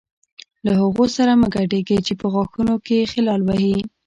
له هغو سره مه ګډېږئ چې په غاښونو کې خلال وهي.